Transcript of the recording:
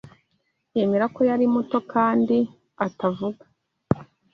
Yemera ko "yari muto kandi atavuga